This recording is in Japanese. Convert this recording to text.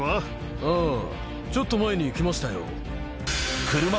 あぁちょっと前に来ましたよ。